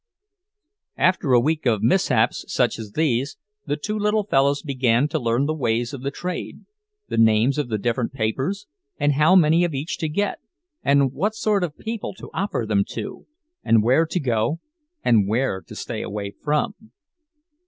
After a week of mishaps such as these, the two little fellows began to learn the ways of the trade—the names of the different papers, and how many of each to get, and what sort of people to offer them to, and where to go and where to stay away from.